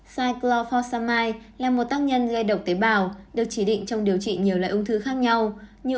pcicla fousamai là một tác nhân gây độc tế bào được chỉ định trong điều trị nhiều loại ung thư khác nhau như